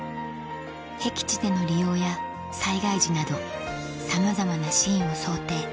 へき地での利用や災害時などさまざまなシーンを想定